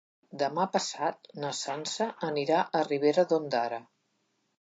Demà passat na Sança anirà a Ribera d'Ondara.